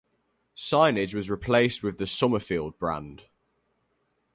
Signage was replaced with the Somerfield brand.